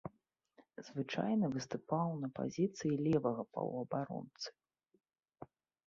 Звычайна выступаў на пазіцыі левага паўабаронцы.